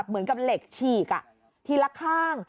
เหมือนกับเหล็กฉีกทีละข้าง